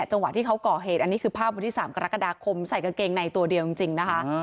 จังหวะที่เขาก่อเหตุอันนี้คือภาพวันที่๓กรกฎาคมใส่กางเกงในตัวเดียวจริงนะคะ